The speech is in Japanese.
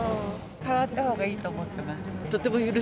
変わったほうがいいと思ってます。